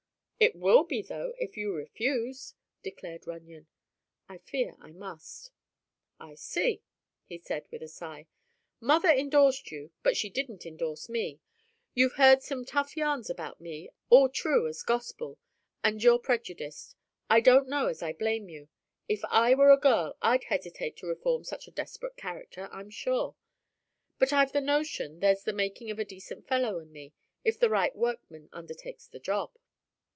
"It will be, though, if you refuse," declared Runyon. "I fear I must." "I see," he said with a sigh. "Mother endorsed you, but she didn't endorse me. You've heard some tough yarns about me—all true as gospel—and you're prejudiced. I don't know as I blame you. If I were a girl I'd hesitate to reform such a desperate character, I'm sure. But I've the notion there's the making of a decent fellow in me, if the right workman undertakes the job."